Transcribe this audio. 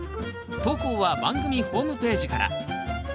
投稿は番組ホームページから。